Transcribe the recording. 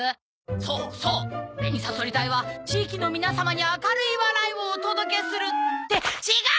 そうそう紅さそり隊は地域の皆様に明るい笑いをお届けするって違う！